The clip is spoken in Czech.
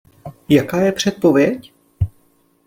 Jaká je předpověď?